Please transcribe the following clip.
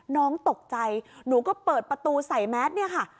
น้องตกใจหนูก็เปิดประตูใส่แมสเนี่ยค่ะ